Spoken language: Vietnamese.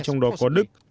trong đó có đức